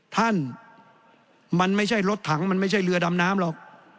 ท่านมันไม่ใช่รถถังมันไม่ใช่เรือดำน้ำหรอก